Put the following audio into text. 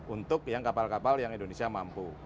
untuk yang kapal kapal yang indonesia mampu